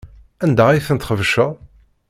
Anda ay tent-txebceḍ?